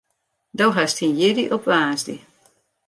Do hast dyn jierdei op woansdei.